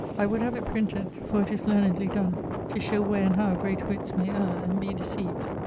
I would have it printed (for it is learnedly donne) to show where and how great witts may erre and be decieved.